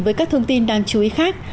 với các thông tin đáng chú ý khác